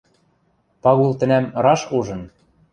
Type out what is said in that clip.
Пагул тӹнӓм раш ужын: